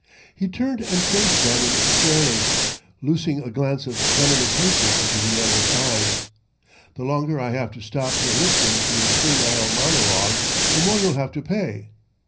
He turned and faced Bannon squarely, loosing a glance of venomous hatred into the other's eyes. "The longer I have to stop here listening to your senile monologue, the more you'll have to pay.